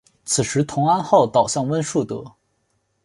此时同安号倒向温树德。